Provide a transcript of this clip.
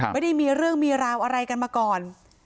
ไม่ได้มีเรื่องมีราวอะไรกันมาก่อน